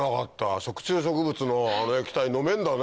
食虫植物のあの液体飲めんだね。